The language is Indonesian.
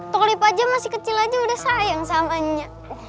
tuklip aja masih kecil aja udah sayang samanya